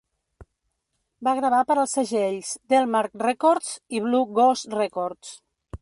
Va gravar per als segells Delmark Records i Blue Goose Records.